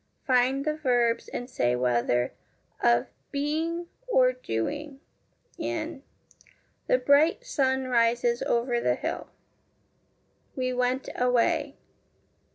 Find the verbs, and say whether of being or doing, in The bright sun rises over the hill. We went away.